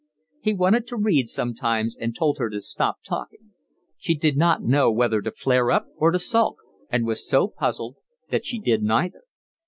He wanted to read sometimes and told her to stop talking: she did not know whether to flare up or to sulk, and was so puzzled that she did neither.